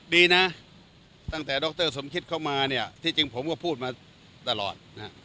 ดีนะตั้งแต่ดรสมคิดเข้ามาเนี่ยที่จริงผมก็พูดมาตลอดนะฮะ